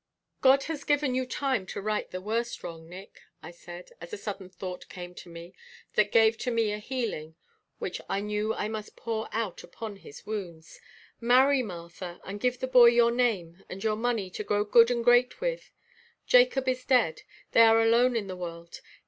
"God has given you time to right the worst wrong, Nick," I said, as a sudden thought came to me that gave to me a healing which I knew I must pour out upon his wounds. "Marry Martha and give the boy your name and your money to grow good and great with. Jacob is dead. They are alone in the world.